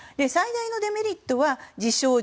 最大のデメリットは自称